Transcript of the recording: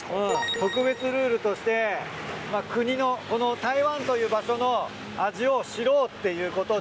特別ルールとして国のこの台湾という場所の味を知ろうっていうことで。